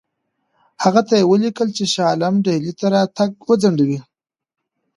هغې ته یې ولیکل چې شاه عالم ډهلي ته راتګ وځنډوي.